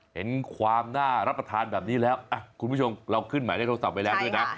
เห็นความน่ารับประทานแบบนี้แล้วคุณผู้ชมเราขึ้นหมายเลขโทรศัพท์ไว้แล้วด้วยนะ